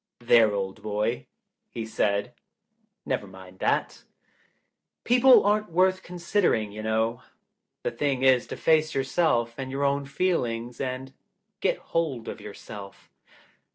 " There, old boy," he said, " never mind that. People aren't worth considering, y'know. The thing is to face yourself and your own feelings and get hold of yourself."